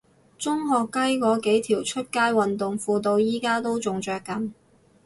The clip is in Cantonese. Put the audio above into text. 中學雞嗰幾條出街運動褲到而家都仲着緊